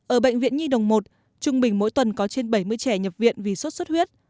ở bệnh viện nhi đồng một trung bình mỗi tuần có trên bảy mươi trẻ nhập viện vì sốt xuất huyết